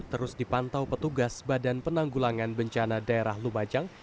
terus dipantau petugas badan penanggulangan bencana daerah lumajang